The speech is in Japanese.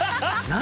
何？